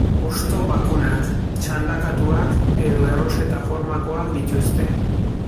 Hosto bakunak, txandakatuak edo erroseta-formakoak dituzte.